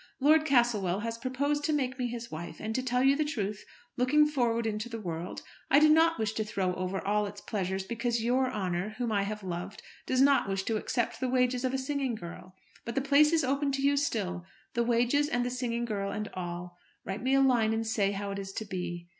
Lord Castlewell has proposed to make me his wife; and, to tell you the truth, looking forward into the world, I do not wish to throw over all its pleasures because your honour, whom I have loved, does not wish to accept the wages of a singing girl. But the place is open to you still, the wages, and the singing girl, and all. Write me a line, and say how it is to be.